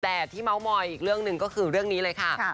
แต่ที่เมาส์มอยอีกเรื่องหนึ่งก็คือเรื่องนี้เลยค่ะ